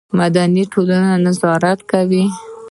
مدني ټولنه نظارت کوي